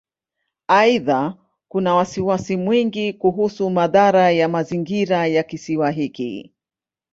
Aidha, kuna wasiwasi mwingi kuhusu madhara ya mazingira ya Kisiwa hiki.